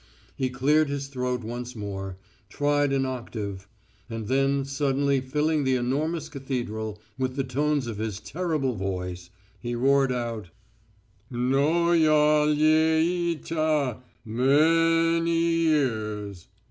He cleared his throat once more, tried an octave, and then suddenly filling the enormous cathedral with the tones of his terrible voice, he roared out: "Mno ga ya lye e e ta a a. Ma any ye e ears."